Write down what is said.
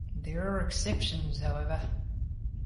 There are exceptions, however.